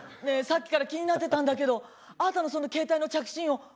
ねえさっきから気になってたんだけどあーたのその携帯の着信音